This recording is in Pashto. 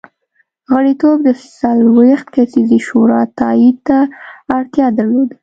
غړیتوب د څلوېښت کسیزې شورا تایید ته اړتیا درلوده